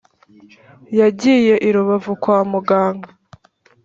yagiye irubavu kwa muganga